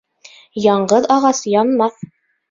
Яңғыҙ ағас янмаҫ.